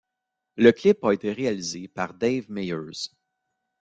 Le clip a été réalisé par Dave Meyers.